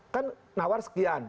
kan nawar sekian